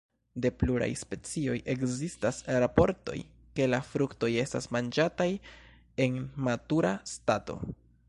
De pluraj specioj ekzistas raportoj, ke la fruktoj estas manĝataj en matura stato.